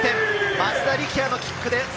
松田力也のキックです。